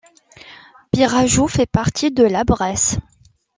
Pirajoux fait partie de la Bresse.